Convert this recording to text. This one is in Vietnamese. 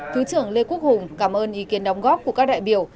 thứ trưởng lê quốc hùng cảm ơn ý kiến đóng góp của các đại biểu